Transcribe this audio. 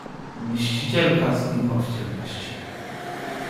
"Mścicielka znikła w ciemności."